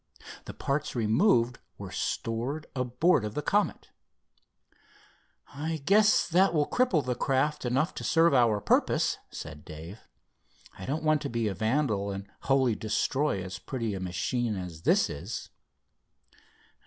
The parts removed were stored aboard of the Comet. "I guess that will cripple the craft enough to serve our purpose," said Dave. "I don't want to be a vandal and wholly destroy as pretty a machine as this is."